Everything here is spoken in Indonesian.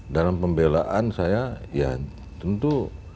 dalam pembelaan saya ya tentu